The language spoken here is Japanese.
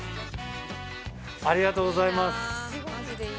ありがとうございます。